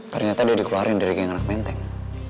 ternyata udah dikeluarin dari geng anak menteng